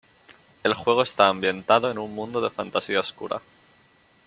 El juego está ambientado en un mundo de fantasía oscura.